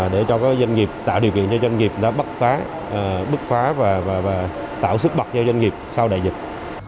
để cho doanh nghiệp tạo điều kiện cho doanh nghiệp bức phá và tạo sức mặt cho doanh nghiệp sau đại dịch